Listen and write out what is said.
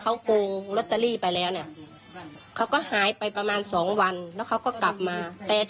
เขียนไว้ไม่ในนิวนาน